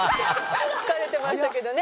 疲れてましたけどね。